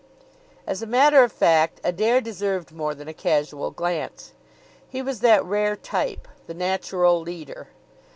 As a matter of fact, Adair deserved more than a casual glance. He was that rare type, the natural leader.